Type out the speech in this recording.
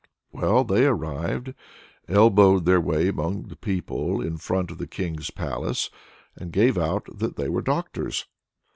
Well, they arrived, elbowed their way among the people in front of the King's palace, and gave out that they were doctors.